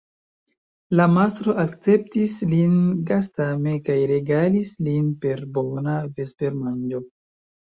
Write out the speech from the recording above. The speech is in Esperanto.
La mastro akceptis lin gastame kaj regalis lin per bona vespermanĝo.